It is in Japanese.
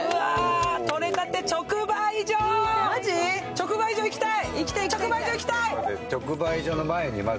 直売所行きたい！